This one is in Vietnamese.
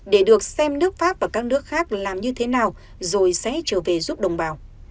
để được xem nước pháp và các nước khác làm như thế nào rồi sẽ trở về giúp đồng bào